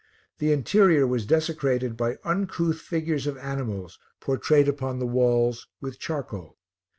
The interior was desecrated by uncouth figures of animals, portrayed upon the walls with charcoal.